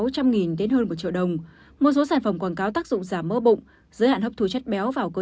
triệu đồng một số sản phẩm quảng cáo tác dụng giảm mỡ bụng giới hạn hấp thu chất béo vào cơ